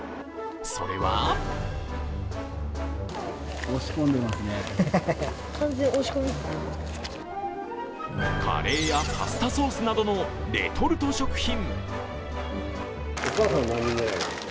それはカレーやパスタソースなどのレトルト食品。